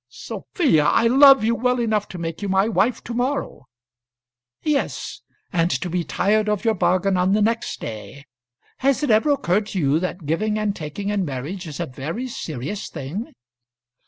"Sophia, I love you well enough to make you my wife to morrow." "Yes; and to be tired of your bargain on the next day. Has it ever occurred to you that giving and taking in marriage is a very serious thing?"